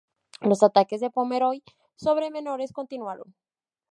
Los ataques de Pomeroy sobre menores continuaron.